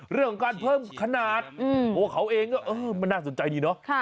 เรื่องของการเพิ่มขนาดเพราะว่าเขาเองมันน่าสนใจดีเนอะ